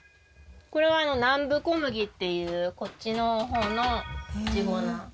これは南部小麦っていうこっちの方の地粉。